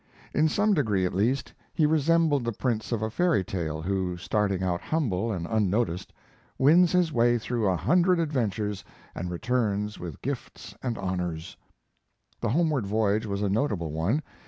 In some degree, at least, he resembled the prince of a fairy tale who, starting out humble and unnoticed, wins his way through a hundred adventures and returns with gifts and honors. The homeward voyage was a notable one.